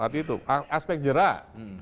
arti itu aspek jerak